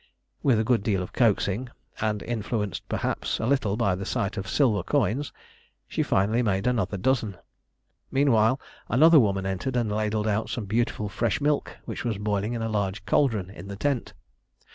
With a good deal of coaxing, and influenced perhaps a little by the sight of silver coins, she finally made another dozen. Meanwhile another woman entered and ladled out some beautiful fresh milk which was boiling in a large cauldron in the tent.